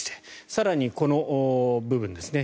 更に、この部分ですね。